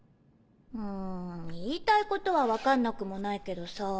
ん言いたいことは分かんなくもないけどさ。